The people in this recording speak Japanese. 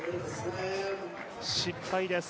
失敗です。